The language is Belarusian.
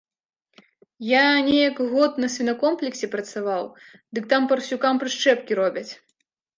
Я неяк год на свінакомплексе працаваў, дык там парсюкам прышчэпкі робяць.